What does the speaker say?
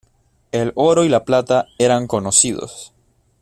El oro y la plata eran conocidos.